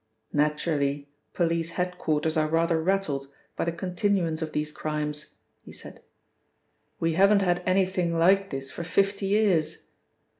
"Naturally police head quarters are rather rattled by the continuance of these crimes," he said. "We haven't had anything like this for fifty years.